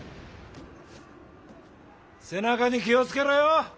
背中に気を付けろよ！